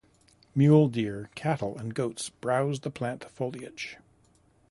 Mule deer, cattle, and goats browse the plant foliage.